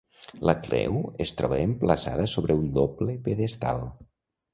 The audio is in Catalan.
La creu es troba emplaçada sobre un doble pedestal.